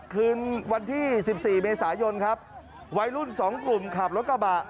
คืนวันที่๑๔เมษายนครับวัยรุ่น๒กลุ่มขับรถกระบะ